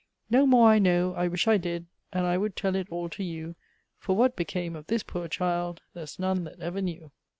"No more I know, I wish I did, And I would tell it all to you; For what became of this poor child There's none that ever knew."